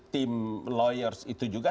tim lawyers itu juga